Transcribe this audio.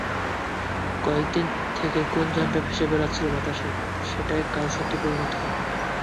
কয়েক দিন থেকে গুঞ্জনটা ভেসে বেড়াচ্ছিল বাতাসে, সেটাই কাল সত্যি প্রমাণিত হলো।